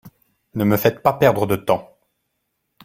Ne me faites pas perdre de temps.